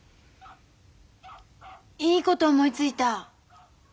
いいこと思いついた！